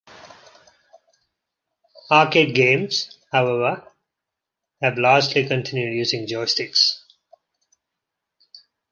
Arcade games, however, have largely continued using joysticks.